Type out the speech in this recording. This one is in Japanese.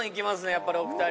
やっぱりお二人。